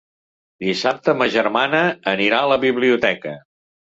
Dissabte ma germana anirà a la biblioteca.